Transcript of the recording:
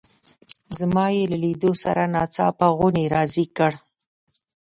زما یې له لیدو سره ناڅاپه غونی را زېږ کړ.